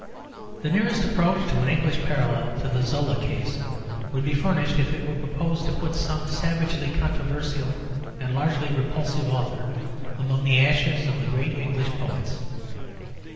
The nearest approach to an English parallel to the Zola case would be furnished if it were proposed to put some savagely controversial and largely repulsive author among the ashes of the greatest English poets.